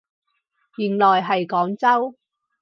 原來係廣州